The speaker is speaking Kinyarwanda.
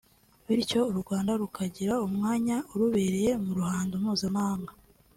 bityo U Rwanda rukagira umwanya urubereye mu ruhando mpuzamahaga